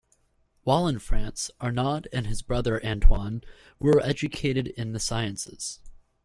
While in France, Arnaud and his brother, Antoine, were educated in the sciences.